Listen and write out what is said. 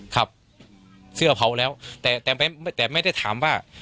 ครับเสื้อเผาแล้วแต่ไม่ได้ถามว่า